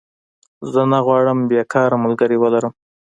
زه نه غواړم بيکاره ملګری ولرم